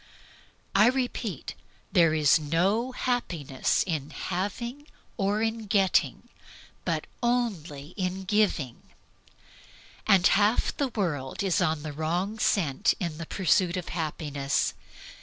I repeat, there is no happiness in having or in getting, but only in giving. Half the world is on the wrong scent in pursuit of happiness.